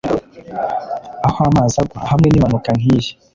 aho amazi agwa hamwe nimpanuka nkiyi